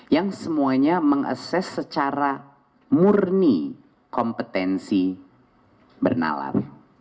yang semuanya meng assess secara murni kompetensi bernalar